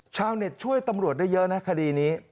ชาวเน็ตช่วยตำรวจได้เยอะนะคดีนี้